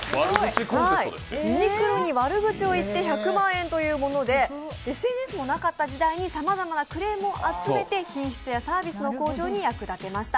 ユニクロに悪口を言って１００万円というものでＳＮＳもなかった時代にさまざまなクレームを集めて品質やサービスの向上に役立てました。